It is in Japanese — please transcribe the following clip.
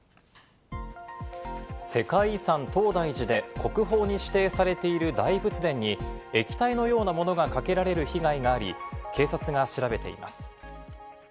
世界遺産・東大寺で国宝に指定されている大仏殿に液体のようなものがかけられる被害があり、警察が調べています。